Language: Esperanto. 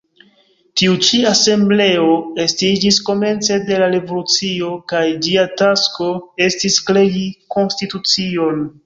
Tiu ĉi asembleo estiĝis komence de la revolucio kaj ĝia tasko estis krei konstitucion.